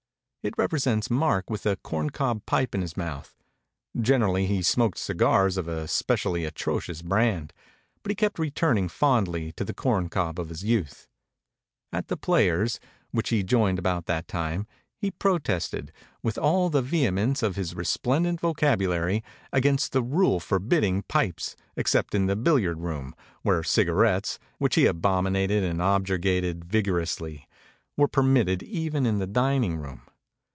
It represents Mark with a corn cob pipe in his mouth. Generally he smoked cigars of a specially atrocious brand, but he kept returning fondly to the corn cob of his youth. At The Players, which he joined about that time, he protested, with all the vehemence of his resplendent vocabulary, against the rule forbid ding pipes except in the billiard room, while cigarettes (which he abominated and objurgated vigorously) were permitted even in the dining room.